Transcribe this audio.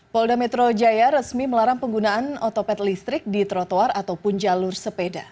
polda metro jaya resmi melarang penggunaan otopet listrik di trotoar ataupun jalur sepeda